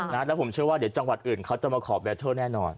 แล้วผมเชื่อว่าเดี๋ยวจังหวัดอื่นเขาจะมาขอแบทเทอร์แน่นอน